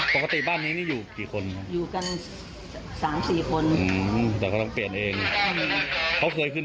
ปกติบ้านนี้อยู่กี่คนครับอยู่กัน๓๔คน